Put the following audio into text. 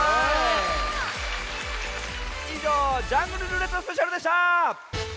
いじょう「ジャングルるーれっとスペシャル」でした！